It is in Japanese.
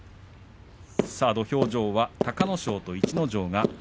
土俵上は隆の勝と逸ノ城。